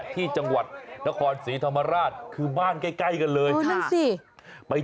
ตัวสามค่อยผ่านไป